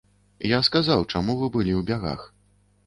Я сказаў, чаму вы былі ў бягах.